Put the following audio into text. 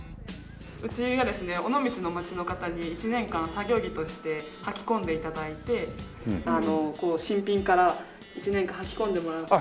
うちがですね尾道の街の方に１年間作業着としてはき込んで頂いて新品から１年間はき込んでもらっていて。